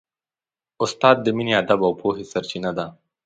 استاد د مینې، ادب او پوهې سرچینه ده.